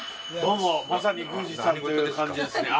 まさに宮司さんっていう感じですね。